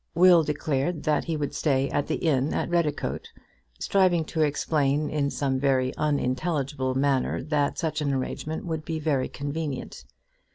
Will declared that he would stay at the inn at Redicote, striving to explain in some very unintelligible manner that such an arrangement would be very convenient.